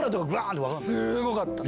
すごかった！